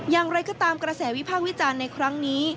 อย่างไรก็ตามกระแสวิพากษ์วิจารณ์ในครั้งนี้